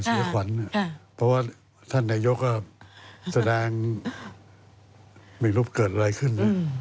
เพราะว่าท่านนายก็แสดงไม่รู้เกิดอะไรขึ้น